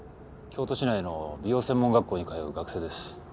京都市内の美容専門学校に通う学生です。